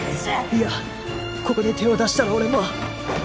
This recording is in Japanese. いやここで手を出したら俺も